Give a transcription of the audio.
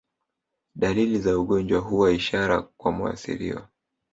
Dalili za ugonjwa huwa ishara kwa muathiriwa